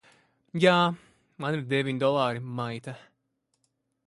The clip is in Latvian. Jā. Man ir deviņi dolāri, maita!